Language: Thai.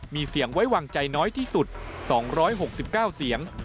มีเสียงไว้วางใจน้อยที่สุด๒๖๙เสียง